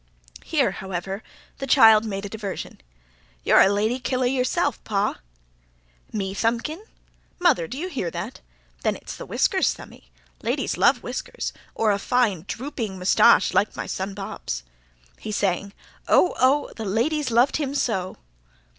Here, however, the child made a diversion. "You're a lady kilda yourself, pa." "Me, Thumbkin? Mother, d'you hear that? Then it's the whiskers, Thumbby. Ladies love whiskers or a fine drooping moustache, like my son Bob's." He sang: "'Oh, oh, the ladies loved him so!'"